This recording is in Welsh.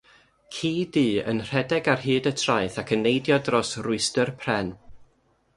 Ci du yn rhedeg ar hyd y traeth ac yn neidio dros rwystr pren.